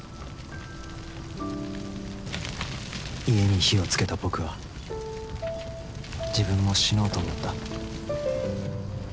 家に火をつけた僕は自分も死のうと思った。